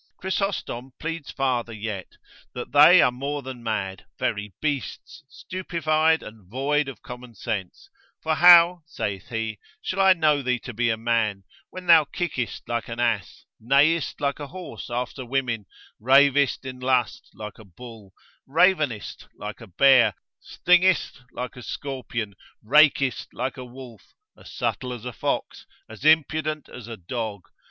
Chrysostom pleads farther yet, that they are more than mad, very beasts, stupefied and void of common sense: For how (saith he) shall I know thee to be a man, when thou kickest like an ass, neighest like a horse after women, ravest in lust like a bull, ravenest like a bear, stingest like a scorpion, rakest like a wolf, as subtle as a fox, as impudent as a dog?